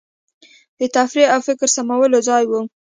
د تفریح او فکر سمولو ځای وو.